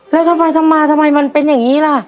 แล้วทำไมทำมาทำไมมันเป็นอย่างนี้ล่ะ